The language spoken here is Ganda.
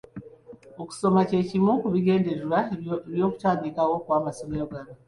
Okusoma ky'ekimu ku bigendererwa by’okutandikibwawo kw’amasomero gano